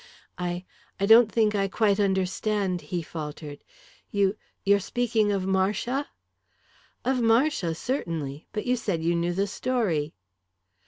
"I I don't think I quite understand," he faltered, "You you're speaking of Marcia?" "Of Marcia, certainly. But you said you knew the story."